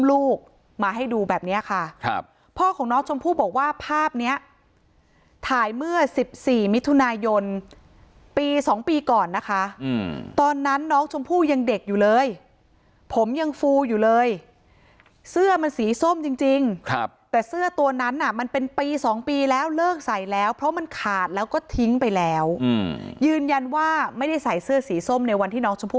ลูกมาให้ดูแบบเนี้ยค่ะครับพ่อของน้องชมพู่บอกว่าภาพเนี้ยถ่ายเมื่อ๑๔มิถุนายนปี๒ปีก่อนนะคะตอนนั้นน้องชมพู่ยังเด็กอยู่เลยผมยังฟูอยู่เลยเสื้อมันสีส้มจริงครับแต่เสื้อตัวนั้นน่ะมันเป็นปี๒ปีแล้วเลิกใส่แล้วเพราะมันขาดแล้วก็ทิ้งไปแล้วยืนยันว่าไม่ได้ใส่เสื้อสีส้มในวันที่น้องชมพู่